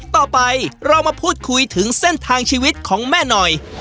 ต่อไปเรามาพูดคุยถึงเส้นทางชีวิตของแม่หน่อย